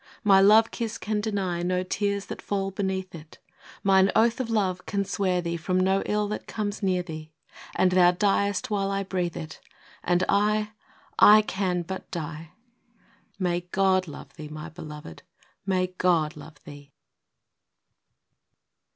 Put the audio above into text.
My love kiss can deny No tears that fall beneath it : Mine oath of love can swear thee From no ill that comes near thee, — And thou diest while I breathe it, And I —/ can but die ! May God love thee, my beloved,— may God love thee!